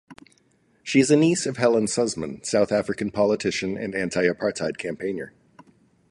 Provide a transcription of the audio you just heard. She is a niece of Helen Suzman, South African politician and anti-apartheid campaigner.